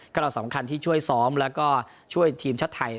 ก็เราสำคัญที่ช่วยซ้อมแล้วก็ช่วยทีมชาติไทย